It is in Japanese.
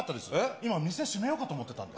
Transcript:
今、店閉めようかと思ってたんです。